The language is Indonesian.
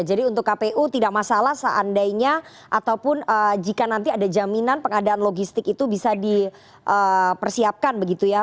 jadi untuk kpu tidak masalah seandainya ataupun jika nanti ada jaminan pengadaan logistik itu bisa dipersiapkan begitu ya